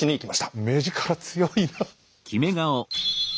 目力強いな。